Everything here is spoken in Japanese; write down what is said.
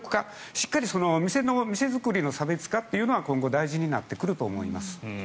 しっかり店作りの差別化というのが今後大事になってくると思います。